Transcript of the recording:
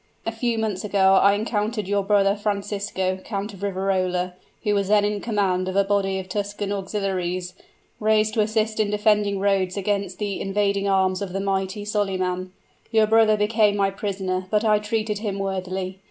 A few months ago I encountered your brother Francisco, Count of Riverola, who was then in command of a body of Tuscan auxiliaries, raised to assist in defending Rhodes against the invading arms of the mighty Solyman. Your brother became my prisoner, but I treated him worthily.